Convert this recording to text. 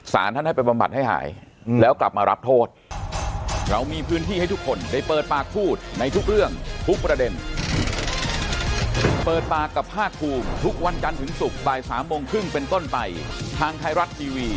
สารท่านให้ไปบำบัดให้หายแล้วกลับมารับโทษ